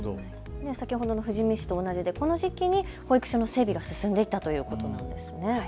先ほどの富士見市と同じでこの時期に保育所の整備が進んでいったということなんですね。